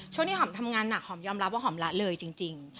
ที่หอมทำงานหนักหอมยอมรับว่าหอมละเลยจริง